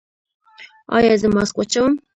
ایا زه ماسک واچوم؟